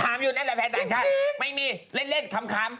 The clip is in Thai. อยู่นั่นแหละแฟนต่างชาติไม่มีเล่นเล่นคำ